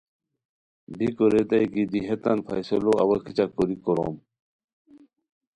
بیکو ریتائے کی دی ہیتان فیصلو اوا کیچہ کوری کوروم!